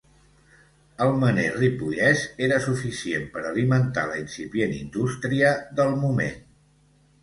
El mener ripollès era suficient per alimentar la incipient indústria del moment.